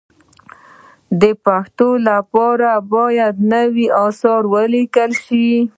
د پښتو لپاره باید نوي اثار ولیکل شي.